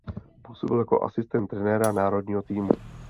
Působil jako asistent trenéra národního týmu.